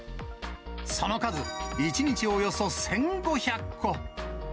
その数、１日およそ１５００個。